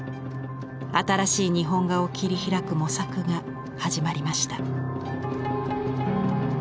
新しい日本画を切り開く模索が始まりました。